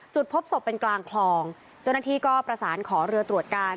พบศพเป็นกลางคลองเจ้าหน้าที่ก็ประสานขอเรือตรวจการ